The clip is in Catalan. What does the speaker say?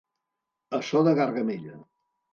A so de gargamella.